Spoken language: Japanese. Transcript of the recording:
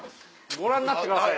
ご覧になってください。